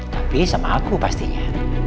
tapi sama aku pastinya